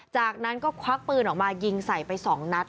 จากนั้นก็ควักปืนออกมายิงใส่ไป๒นัด